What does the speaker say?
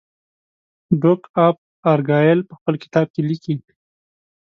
ډوک آف ارګایل په خپل کتاب کې لیکي.